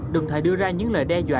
đồng thời đưa ra những lời đe dọa